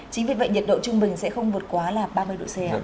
chính vì vậy nhiệt độ trung bình sẽ không vượt quá là ba mươi độ c